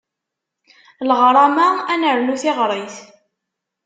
Leɣṛama ad nernu tiɣrit.